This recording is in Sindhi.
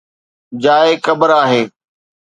جاءِ قبر آهي